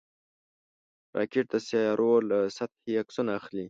راکټ د سیارویو له سطحې عکسونه اخلي